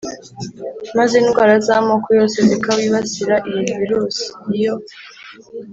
maze indwara z’amoko yose zikawibasira. Iyi virusi iyo